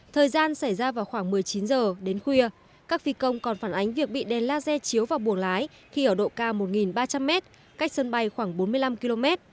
thời gian xảy ra vào khoảng một mươi chín h đến khuya các phi công còn phản ánh việc bị đèn laser chiếu vào buồng lái khi ở độ cao một ba trăm linh m cách sân bay khoảng bốn mươi năm km